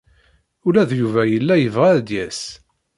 Ula d Yuba yella yebɣa ad d-yas.